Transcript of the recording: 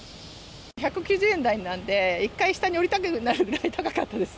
１９０円台なんで、１回下におりたくなるぐらい高かったです。